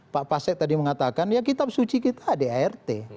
pak pasek tadi mengatakan ya kitab suci kita adart